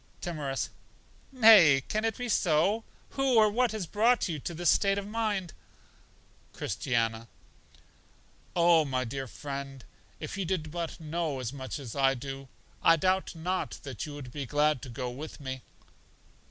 Timorous: Nay, can it be so? Who or what has brought you to this state of mind? Christiana: Oh, my friend, if you did but know as much as I do, I doubt not that you would be glad to go with me.